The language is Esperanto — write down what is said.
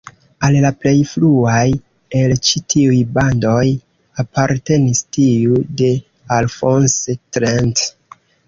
Al la plej fruaj el ĉi tiuj bandoj apartenis tiu de Alphonse Trent.